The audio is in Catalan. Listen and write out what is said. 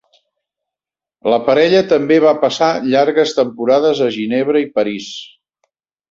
La parella també va passar llargues temporades a Ginebra i París.